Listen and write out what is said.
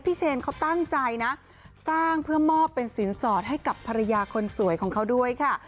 เชนเขาตั้งใจนะสร้างเพื่อมอบเป็นสินสอดให้กับภรรยาคนสวยของเขาด้วยค่ะ